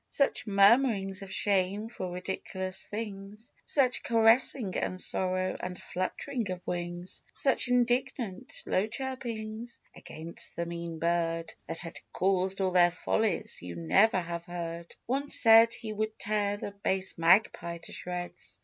Such murmurings of shame for ridiculous things ; Such caressing and sorrow, and flutt'ring of wings; Such indignant, low chirpings against the mean bird That had caused all their follies, you never have heard ! One said he would tear the base Magpie to shreds.